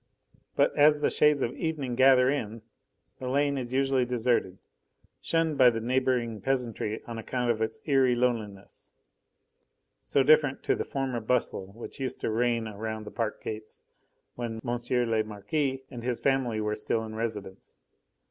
But as the shades of evening gather in, the lane is usually deserted, shunned by the neighbouring peasantry on account of its eerie loneliness, so different to the former bustle which used to reign around the park gates when M. le Marquis and his family were still in residence.